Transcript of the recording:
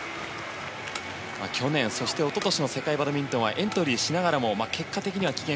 去年、そして一昨年の世界バドミントンはエントリーしながらも結果的には棄権。